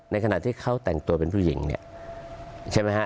ในขณะที่เขาแต่งตัวเป็นผู้หญิงใช่มั้ยฮะ